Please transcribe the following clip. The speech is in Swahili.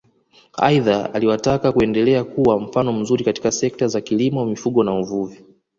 Aidha aliwataka kuendelea kuwa mfano mzuri katika sekta za kilimo mifugo na uvuvi